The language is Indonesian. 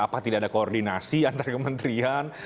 apa tidak ada koordinasi antar kementerian